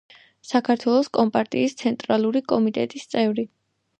საქართველოს კომპარტიის ცენტრალური კომიტეტის წევრი.